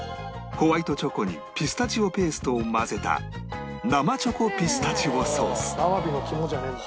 ホワイトチョコにピスタチオペーストを混ぜた生チョコピスタチオソース「アワビの肝じゃねえんだ」